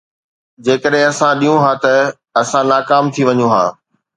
جيڪڏهن اسان ڏيون ها ته اسان ناڪام ٿي وڃون ها